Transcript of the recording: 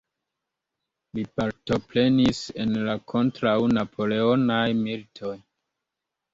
Li partoprenis en la kontraŭ-Napoleonaj militoj.